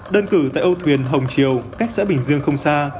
đơn cử tại âu thuyền hồng triều cách xã bình dương không xa